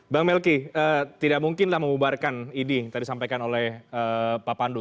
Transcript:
bang melki tidak mungkinlah membubarkan idi yang tadi sampaikan oleh pak pandu